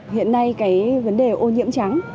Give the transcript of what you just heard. hiện nay cái vấn đề ô nhiễm trắng